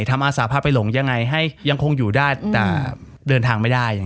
อาสาพาไปหลงยังไงให้ยังคงอยู่ได้แต่เดินทางไม่ได้